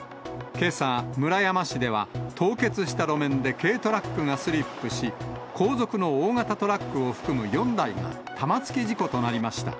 けさ、村山市では、凍結した路面で軽トラックがスリップし、後続の大型トラックを含む４台が、玉突き事故となりました。